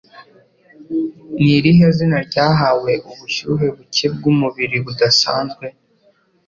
Ni irihe zina ryahawe ubushyuhe buke bw'umubiri budasanzwe?